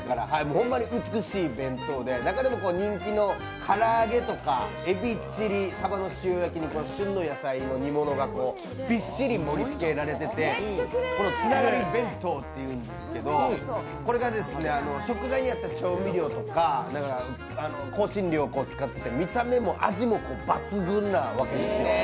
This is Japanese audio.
ホンマに美しい弁当で中でも人気の唐揚げとか、エビチリ、さばの塩焼きに旬の野菜の煮物がびっしり盛りつけられてて、ツナガリｂｅｎｔｏっていうんですけどこれが食材に合った調味料とか香辛料を使って見た目も味も抜群なわけですよ。